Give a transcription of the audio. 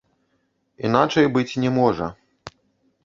Іначай быць не можа.